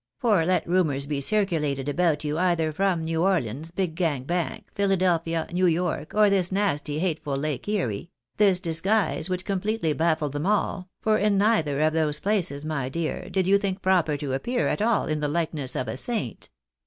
For let rumours be circulated about you either from New Orleans, Big Gang Bank, Philadelphia, New York, or this nasty, hateful Lake Erie, this disguise would completely baffle them all, for in neither of these places, my dear, did you think proper to appear at all in the likeness of a saint.